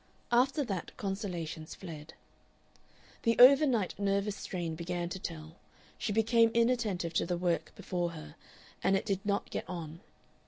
After that consolations fled. The overnight nervous strain began to tell; she became inattentive to the work before her, and it did not get on.